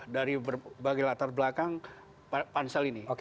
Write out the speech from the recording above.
dari berbagai latar belakang pansel ini